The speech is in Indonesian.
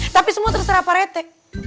tapi semua terserah parete